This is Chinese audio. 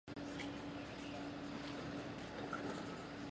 与文本相关的其他信息进行标识。